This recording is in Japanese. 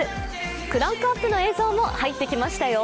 クランクアップの映像も入ってきましたよ。